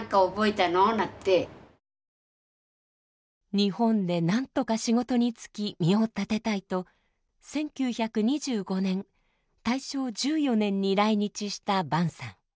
日本でなんとか仕事に就き身を立てたいと１９２５年大正１４年に来日した潘さん。